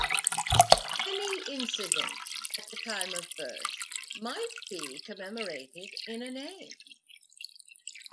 Any incident at the time of birth might be commemorated in a name.